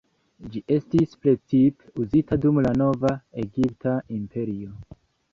Ĝi estis precipe uzita dum la Nova Egipta Imperio.